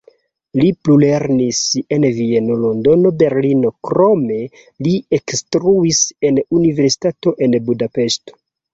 Li plulernis en Vieno, Londono Berlino, krome li ekinstruis en universitato en Budapeŝto.